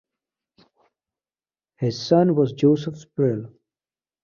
His son was Joseph Spruill.